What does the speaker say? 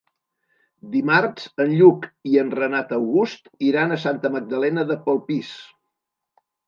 Dimarts en Lluc i en Renat August iran a Santa Magdalena de Polpís.